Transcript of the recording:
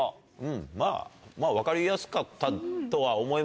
まぁ分かりやすかったとは思います。